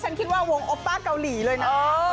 ฉันคิดว่าวงโอป้าเกาหลีเลยนะ